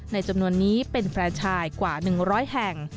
จำนวนนี้เป็นแฟร์ชายกว่า๑๐๐แห่ง